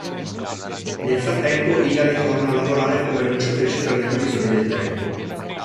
Nel frattempo Hilary torna a lavorare come annunciatrice per le previsioni del tempo.